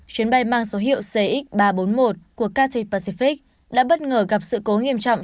chuyến bay mang số hiệu cx ba trăm bốn mươi một của katy pacific đã bất ngờ gặp sự cố nghiêm trọng